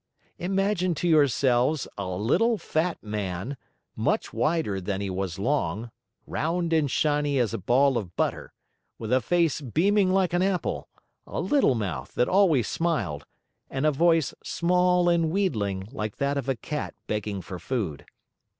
Imagine to yourselves a little, fat man, much wider than he was long, round and shiny as a ball of butter, with a face beaming like an apple, a little mouth that always smiled, and a voice small and wheedling like that of a cat begging for food.